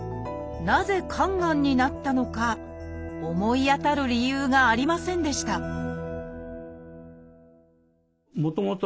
なぜ肝がんになったのか思い当たる理由がありませんでした鳥居さん